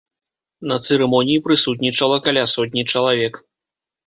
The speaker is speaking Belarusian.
На цырымоніі прысутнічала каля сотні чалавек.